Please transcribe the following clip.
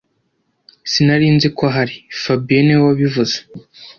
Sinari nzi ko ahari fabien niwe wabivuze